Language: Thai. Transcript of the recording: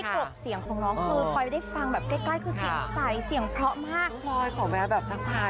สวัสดีค่ะก่อนรู้สักครู่วันนี้เราร้ำบดเป็นอะไรคะ